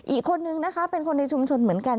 อีกคนนึงนะคะเป็นคนในชุมชนเหมือนกัน